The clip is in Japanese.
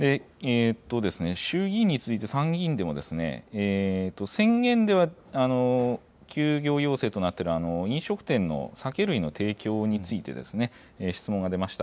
衆議院に続いて参議院でも、宣言では休業要請となっている飲食店の酒類の提供について、質問が出ました。